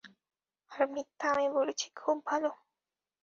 আর মিথ্যা আমি বলেছি, খুব ভালো।